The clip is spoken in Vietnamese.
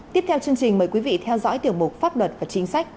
tiếp theo chương trình mời quý vị theo dõi tiểu mục pháp luật và chính sách